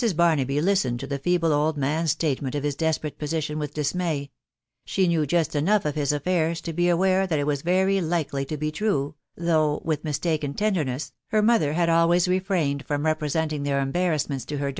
Barnaby listened to the feeble old man's. statement of his desperate position with dismay ; she knew just enough of fate affairs to be aware that it was very likely to be true, though, with mistaken tenderness, her mother had always refrained from representing their embarrassment* t& fox.